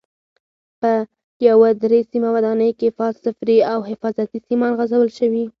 په یوه درې سیمه ودانۍ کې فاز، صفري او حفاظتي سیمان غځول شوي.